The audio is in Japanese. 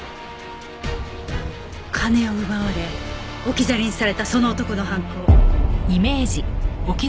金を奪われ置き去りにされたその男の犯行。